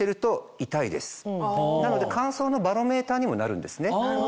なので乾燥のバロメーターにもなるんですね。